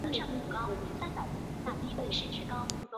分为首因效应。